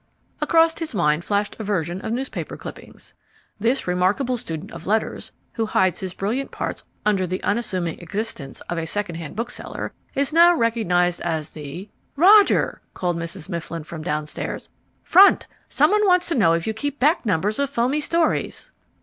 Across his mind flashed a vision of newspaper clippings "This remarkable student of letters, who hides his brilliant parts under the unassuming existence of a second hand bookseller, is now recognized as the " "Roger!" called Mrs. Mifflin from downstairs: "Front! someone wants to know if you keep back numbers of Foamy Stories."